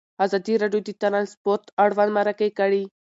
ازادي راډیو د ترانسپورټ اړوند مرکې کړي.